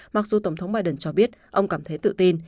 mặc dù tổng thống biden cho biết ông cảm thấy tự tin